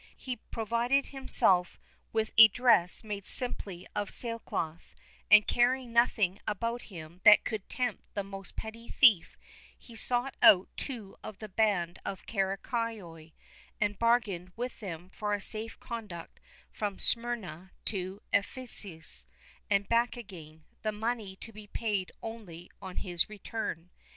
He provided himself with a dress made simply of sail cloth, and carrying nothing about him that could tempt the most petty thief, he sought out two of the band of Caracayoli, and bargained with them for a safe conduct from Smyrna to Ephesus and back again, the money to be paid only on his return.